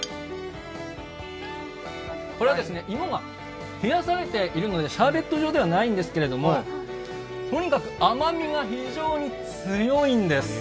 芋が冷やされているのでシャーベット状ではないんですけどとにかく甘みが非常に強いんです。